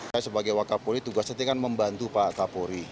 saya sebagai wakapolri tugasnya kan membantu pak kapolri